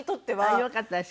よかったですかね。